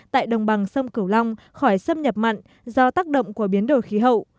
tại đồng bằng sông cửu long khỏi xâm nhập mặn do tác động của biến đổi khí hậu